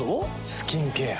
スキンケア。